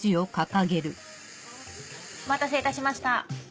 お待たせいたしました。